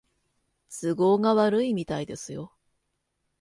都合が悪いみたいですよ